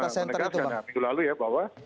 dan saya juga sudah menegaskan ya minggu lalu ya bahwa